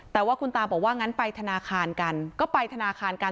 แต่ว่าคุณตาบอกว่างั้นไปธนาคารกันก็ไปธนาคารกัน